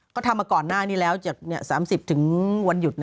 ก็ทำมาก่อนหน้านี้แล้วจาก๓๐ถึงวันหยุด